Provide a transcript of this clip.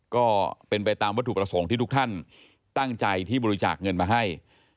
ก็เป็นไปตามวัตถุประสงค์ที่ทุกท่านตั้งใจที่บริจาคเงินมาให้